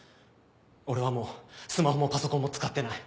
俺はもうスマホもパソコンも使ってない。